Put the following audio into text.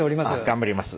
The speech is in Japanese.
頑張ります。